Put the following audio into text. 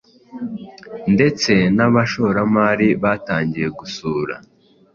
ndetse n’abashoramari batangiye gusura